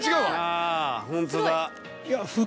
あぁホントだ。